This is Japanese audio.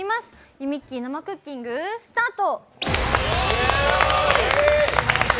ゆみっきー生クッキング、スタート。